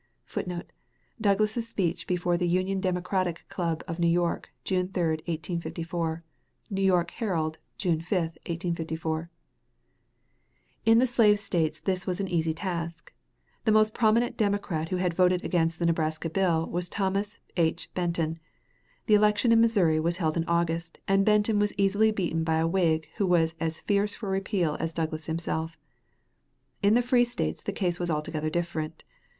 [Footnote: Douglas's speech before the Union Democratic Club of New York, June 3, 1854. New York "Herald," June 5, 1854.] In the slave States this was an easy task. The most prominent Democrat who had voted against the Nebraska bill was Thomas H. Benton. The election in Missouri was held in August, and Benton was easily beaten by a Whig who was as fierce for repeal as Douglas himself. In the free States the case was altogether different.